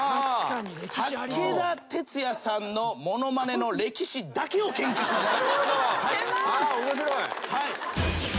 武田鉄矢さんのものまねの歴史だけを研究しました。